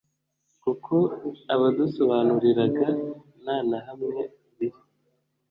kuko abadusobanuriraga nta na hamwe biri